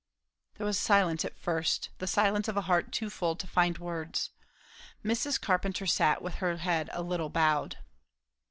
There was silence at first, the silence of a heart too full to find words. Mrs. Carpenter sat with her head a little bowed.